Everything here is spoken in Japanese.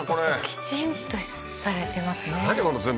きちんとされてますね。